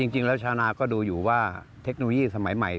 ชาวนาก็ดูอยู่ว่าเทคโนโลยีสมัยใหม่